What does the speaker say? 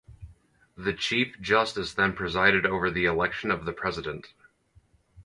The Chief Justice then presided over the election of the President.